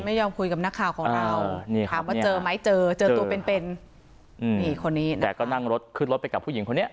ไม่ยอมคุยกับนักข่าวของเราถามว่าเจอไหมเจอเจอตัวเป็นเป็นนี่คนนี้แต่ก็นั่งรถขึ้นรถไปกับผู้หญิงคนนี้